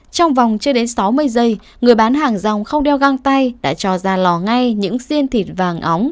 trong vòng chưa đến sáu mươi giây người bán hàng rong không đeo găng tay đã cho ra lò ngay những xiên thịt vàng ống